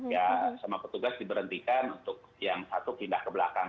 ya sama petugas diberhentikan untuk yang satu pindah ke belakang